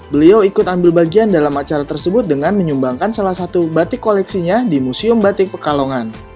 beliau ikut ambil bagian dalam acara tersebut dengan menyumbangkan salah satu batik koleksinya di museum batik pekalongan